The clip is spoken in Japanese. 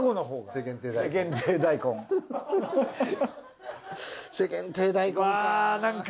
世間体大根か。